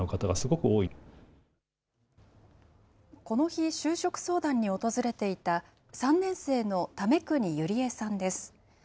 この日、就職相談に訪れていた３年生の爲国結莉恵さんです。